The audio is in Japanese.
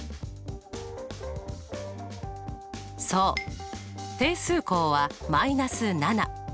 そう定数項は−７。